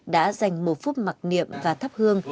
đã dành một phút mặc niệm và thắp hương